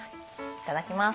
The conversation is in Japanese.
いただきます。